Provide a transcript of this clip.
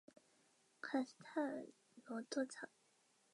董宪与庞萌退守郯城。